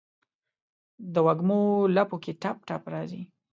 دوږمو لپو کې ټپ، ټپ راځي